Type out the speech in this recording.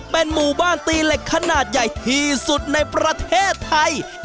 เป็นหมู่บ้านตีเหล็กขนาดใหญ่ที่สุดในประเทศไทย